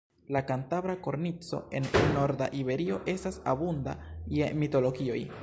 La Kantabra Kornico, en norda Iberio, estas abunda je mitologioj.